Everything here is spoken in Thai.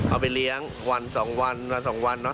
เอาไปเลี้ยงวัน๒วันวันสองวันเนาะ